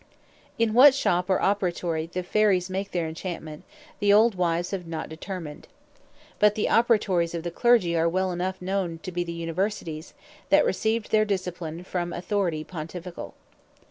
In what Shop, or Operatory the Fairies make their Enchantment, the old Wives have not determined. But the Operatories of the Clergy, are well enough known to be the Universities, that received their Discipline from Authority Pontificall.